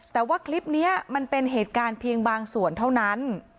แต่ว่าคลิปนี้มันเป็นเหตุการณ์เพียงบางส่วนเท่านั้น